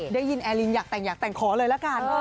ได้ยินแอร์ลินอยากแต่งอยากแต่งขอเลยละกัน